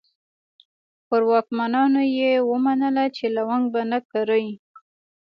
پر واکمنانو یې ومنله چې لونګ به نه کري.